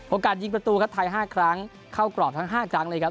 ยิงประตูครับไทย๕ครั้งเข้ากรอบทั้ง๕ครั้งเลยครับ